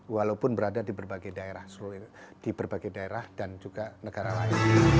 walaupun berada di berbagai daerah dan juga negara lain